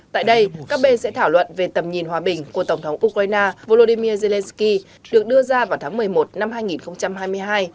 tại đây các bên sẽ thảo luận về tầm nhìn hòa bình của tổng thống ukraine volodymyr zelensky được đưa ra vào tháng một mươi một năm hai nghìn hai mươi hai